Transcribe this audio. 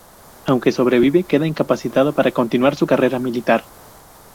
Aunque sobrevive, queda incapacitado para continuar su carrera militar.